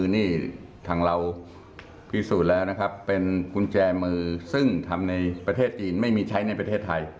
นี่ทางเราพิสูจน์แล้วนะครับเป็นกุญแจมือซึ่งทำในประเทศจีนไม่มีใช้ในประเทศไทย